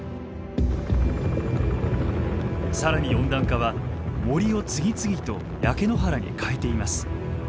更に温暖化は森を次々と焼け野原に変えています。